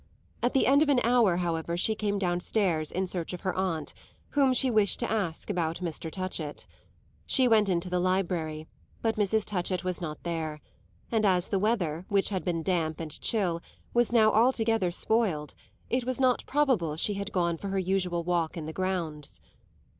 At the end of an hour, however, she came downstairs in search of her aunt, whom she wished to ask about Mr. Touchett. She went into the library, but Mrs. Touchett was not there, and as the weather, which had been damp and chill, was now altogether spoiled, it was not probable she had gone for her usual walk in the grounds.